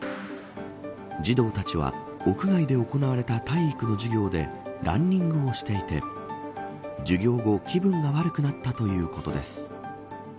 児童たちは屋外で行われた体育の授業でランニングをしていて授業後、気分が悪くなったということです。